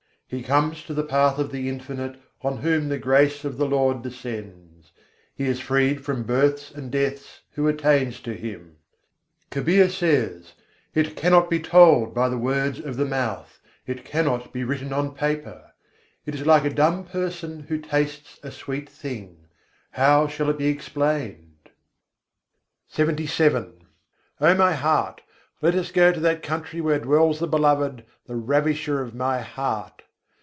He comes to the Path of the Infinite on whom the grace of the Lord descends: he is freed from births and deaths who attains to Him. Kabîr says: "It cannot be told by the words of the mouth, it cannot be written on paper: It is like a dumb person who tastes a sweet thing how shall it be explained?" LXXVII III. 60. cal hamsâ wâ des' jahân O my heart! let us go to that country where dwells the Beloved, the ravisher of my heart!